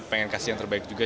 pengen kasih yang terbaik juga